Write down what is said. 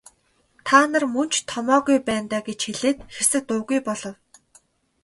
Та нар мөн ч томоогүй байна даа гэж хэлээд хэсэг дуугүй болов.